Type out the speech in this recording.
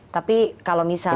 tapi kalau misalnya